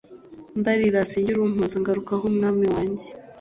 ndarira singira umpoza ngarukaho mwami wanjye